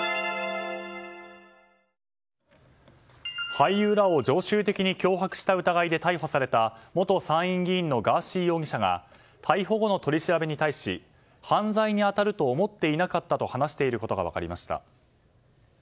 俳優らを常習的に脅迫した疑いで逮捕された元参院議員のガーシー容疑者が逮捕後の取り調べに対し犯罪に当たると思っていなかったと話していることが分かりました。